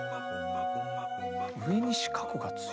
上に四角が付い。